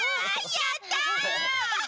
やった！